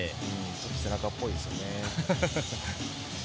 背中っぽいですね。